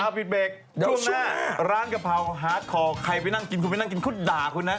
ปิดเบรกเดี๋ยวช่วงหน้าร้านกะเพราฮาร์ดคอใครไปนั่งกินคุณไปนั่งกินเขาด่าคุณนะ